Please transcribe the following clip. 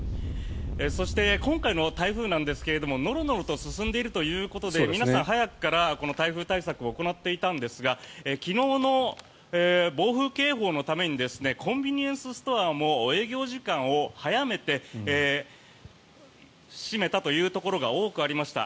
そして今回の台風なんですけれどもノロノロと進んでいるということで皆さん、早くから台風対策を行っていたんですが昨日の暴風警報のためにコンビニエンスストアも営業時間を早めて閉めたというところが多くありました。